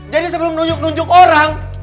jadi sebelum nunjuk nunjuk orang